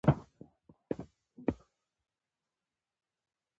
شاعر محمد حسين غمګين پر وعدو تبصره کوله.